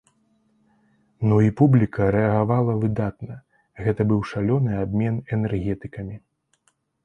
Ну і публіка рэагавала выдатна, гэта быў шалёны абмен энергетыкамі.